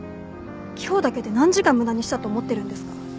今日だけで何時間無駄にしたと思ってるんですか？